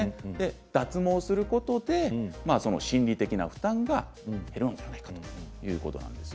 脱毛することで心理的な負担が減るのではないかということなんです。